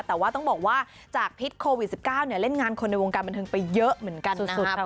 แต่ว่าต้องบอกว่าจากพิษโควิด๑๙เล่นงานคนในวงการบันเทิงไปเยอะเหมือนกันนะ